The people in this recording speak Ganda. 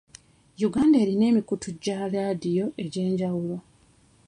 Uganda erina emikutu gya laadiyo egy'enjawulo.